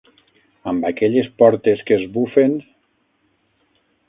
Amb aquelles portes que es bufen